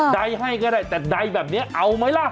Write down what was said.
ใดให้ก็ได้แต่ใดแบบนี้เอาไหมล่ะ